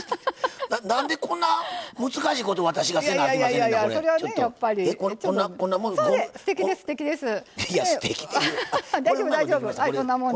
なんで、こんな難しいこと私がせなあきませんの。